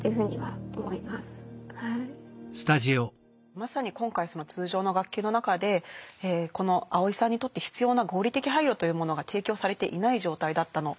まさに今回通常の学級の中でこのアオイさんにとって必要な合理的配慮というものが提供されていない状態だったのかと思います。